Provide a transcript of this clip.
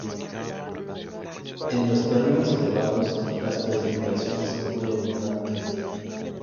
En los terrenos elevados, las precipitaciones son muy abundantes.